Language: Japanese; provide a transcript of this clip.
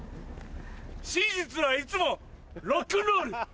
真実はいつもロックンロール！